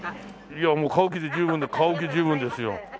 いやもう買う気で十分買う気十分ですよ。